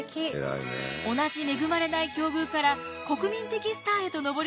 同じ恵まれない境遇から国民的スターへと上り詰めた